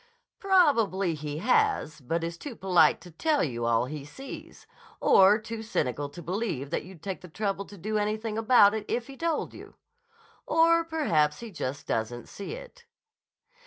"Probably he has, but is too polite to tell you all he sees, or too cynical to believe that you'd take the trouble to do anything about it if he told you. Or perhaps he just doesn't see it."